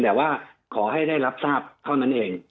สวัสดีครับทุกคน